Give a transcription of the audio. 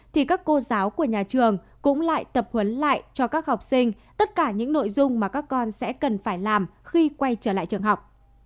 nhà trường cũng lại tập huấn lại cho các học sinh tất cả những nội dung mà các con sẽ cần phải làm khi quay trở lại trường học